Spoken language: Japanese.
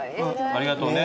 ありがとうね。